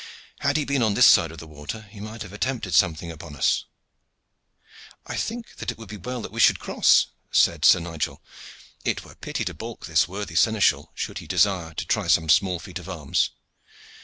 "Had he been on this side of the water he might have attempted something upon us." "I think that it would be well that we should cross," said Sir Nigel. "It were pity to balk this worthy seneschal, should he desire to try some small feat of arms."